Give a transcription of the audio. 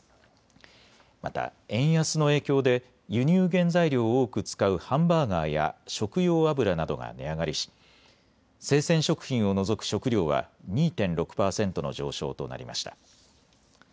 また円安の影響で輸入原材料を多く使うハンバーガーや食用油などが値上がりし生鮮食品を除く食料は２．６％の上昇となりました。